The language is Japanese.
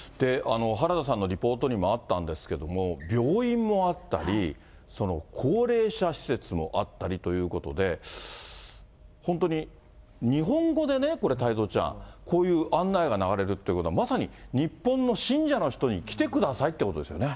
原田さんのリポートにもあったんですけれども、病院もあったり、高齢者施設もあったりということで、本当に日本語でね、これ、太蔵ちゃん、こういう案内が流れるということは、まさに日本の信者の人に来てくださいっていうことですよね。